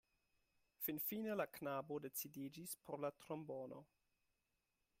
Finfine la knabo decidiĝis por la trombono.